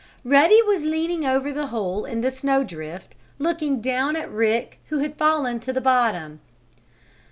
Ruddy was leaning over the hole in the snow drift, looking down at Rick who had fallen to the bottom.